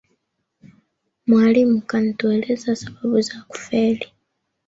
Mwalimu kantueleza sababu za kufeli